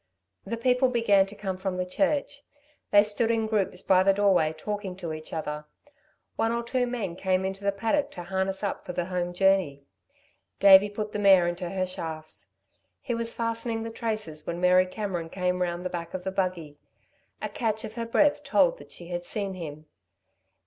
The people began to come from the church. They stood in groups by the doorway talking to each other. One or two men came into the paddock to harness up for the home journey. Davey put the mare into her shafts. He was fastening the traces when Mary Cameron came round the back of the buggy. A catch of her breath told that she had seen him.